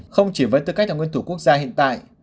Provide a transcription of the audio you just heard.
không chỉ với tư cách là nguyên thủ quốc gia hiện tại